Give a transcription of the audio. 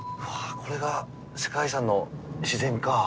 これが世界遺産の自然か。